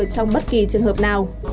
trong bất kỳ trường hợp nào